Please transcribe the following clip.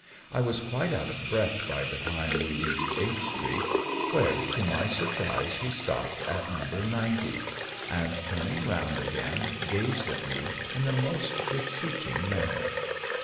I was quite out of breath by the time we reached H Street, where, to my surprise, he stopped at No. 90 and, turning round again, gazed at me in the most beseeching manner.